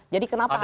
jadi kenapa harus